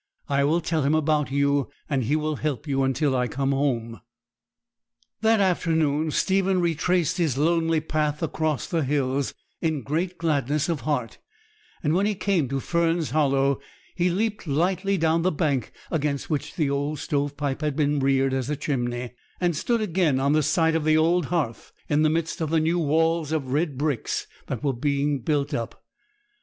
I will tell him about you, and he will help you until I come home.' That afternoon Stephen retraced his lonely path across the hills in great gladness of heart; and when he came to Fern's Hollow, he leaped lightly down the bank against which the old stove pipe had been reared as a chimney, and stood again on the site of the old hearth, in the midst of the new walls of red bricks that were being built up.